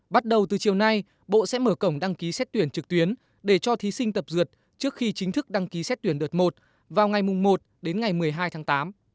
bắt đầu từ chiều nay bộ sẽ mở cổng đăng ký xét tuyển trực tuyến để cho thí sinh tập dượt trước khi chính thức đăng ký xét tuyển đợt một vào ngày một đến ngày một mươi hai tháng tám